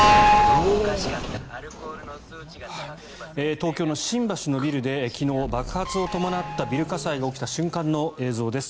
東京の新橋のビルで昨日爆発を伴ったビル火災が起きた瞬間の映像です。